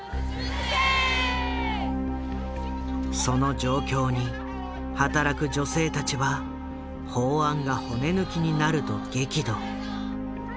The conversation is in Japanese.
その状況に働く女性たちは法案が骨抜きになると激怒。